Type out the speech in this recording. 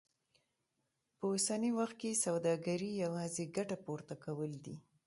په اوسني وخت کې سوداګري يوازې ګټه پورته کول دي.